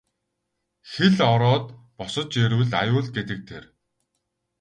Хэл ороод босож ирвэл аюул гэдэг тэр.